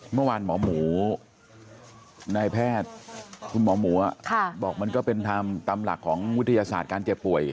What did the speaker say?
เมื่อวานหมอหมูนายแพทย์คุณหมอหมูบอกมันก็เป็นทำตามหลักของวิทยาศาสตร์การเจ็บป่วย